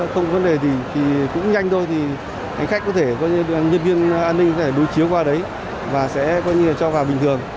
không vấn đề thì cũng nhanh thôi thì hành khách có thể nhân viên an ninh có thể đối chiếu qua đấy và sẽ cho vào bình thường